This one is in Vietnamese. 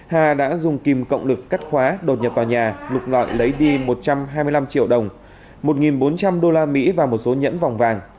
hà đã dùng kìm cộng lực cắt khóa đột nhập vào nhà lục ngọn lấy đi một trăm hai mươi năm triệu đồng một bốn trăm linh đô la mỹ và một số nhẫn vòng vàng